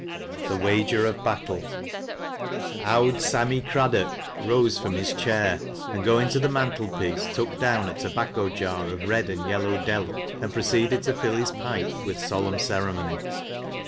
THE WAGEE OF BATTLE. ■' O.vu Samiay Craddock" rose from his chair, ar.d ^)ing to tlie mantle piece, took down a tobacco jar of red and yellow delft, and proceeded to fill his pipe with solemn ceremony.